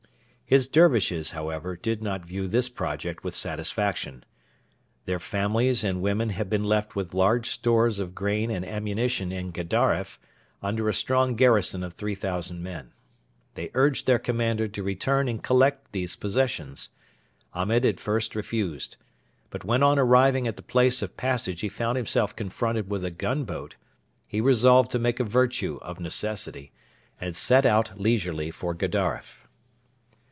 His Dervishes, however, did not view this project with satisfaction. Their families and women had been left with large stores of grain and ammunition in Gedaref, under a strong garrison of 3,000 men. They urged their commander to return and collect these possessions. Ahmed at first refused, but when on arriving at the place of passage he found himself confronted with a gunboat, he resolved to make a virtue of necessity and set out leisurely for Gedaref.